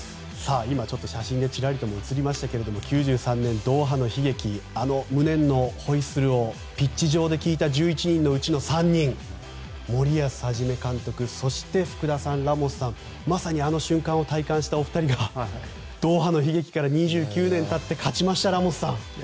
今、ちょっと写真でチラリとも映りましたが９３年、ドーハの悲劇あの無念のホイッスルをピッチ上で聞いた１１人のうちの３人森保一監督そして福田さんラモスさんまさにあの瞬間を体感したお二人がドーハの悲劇から２９年たって勝ちました、ラモスさん。